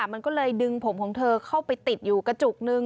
มันก็เลยดึงผมของเธอเข้าไปติดอยู่กระจุกนึง